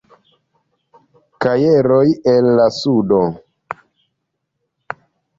Kajeroj el la Sudo.